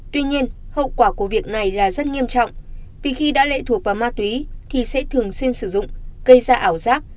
tuy nhiên hậu quả của việc này là rất nghiêm trọng vì khi đã lệ thuộc vào ma túy thì sẽ thường xuyên sử dụng gây ra ảo giác